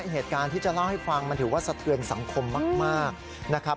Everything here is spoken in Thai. เหตุการณ์ที่จะเล่าให้ฟังมันถือว่าสะเทือนสังคมมากนะครับ